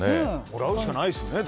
もらうしかないですよね。